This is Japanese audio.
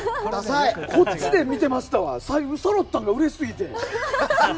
こっちで見てましたわ最初そろったのがうれしすぎて。